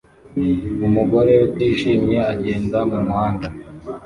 Umugore utishimye agenda mumuhanda